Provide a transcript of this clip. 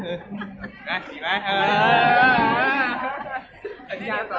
เวลาแรกพี่เห็นแวว